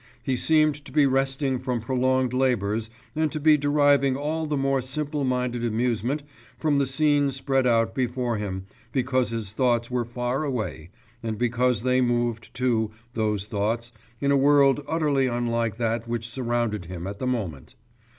He seemed to be resting from prolonged labours and to be deriving all the more simple minded amusement from the scene spread out before him because his thoughts were far away, and because they moved too, those thoughts, in a world utterly unlike that which surrounded him at the moment.